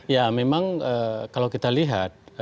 ya memang kalau kita lihat